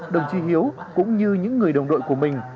đồng chí hiếu cũng như những người đồng đội của mình